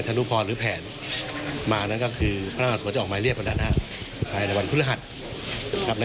ส่วนพยาบาลอื่นก็กำลังจะเรียกมาเพิ่มเติม